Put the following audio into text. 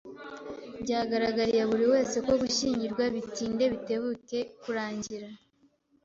Byagaragariye buri wese ko gushyingirwa bitinde bitebuke kurangira.